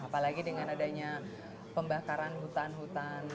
apalagi dengan adanya pembakaran hutan hutan